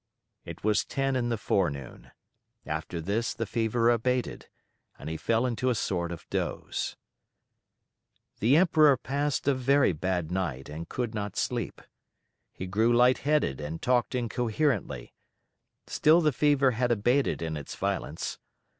It was ten in the forenoon; after this the fever abated, and he fell into a sort of doze. The Emperor passed a very bad night, and could not sleep. He grew light headed and talked incoherently; still the fever had abated in its violence.